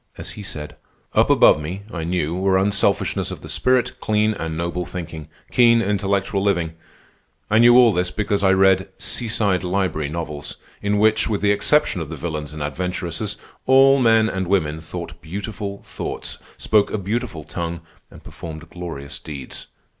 As he said: "Up above me, I knew, were unselfishnesses of the spirit, clean and noble thinking, keen intellectual living. I knew all this because I read 'Seaside Library' novels, in which, with the exception of the villains and adventuresses, all men and women thought beautiful thoughts, spoke a beautiful tongue, and performed glorious deeds.